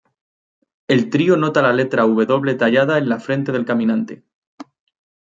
El trío nota la letra "W" tallada en la frente del caminante.